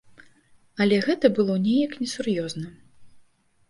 Але гэта было неяк несур'ёзна.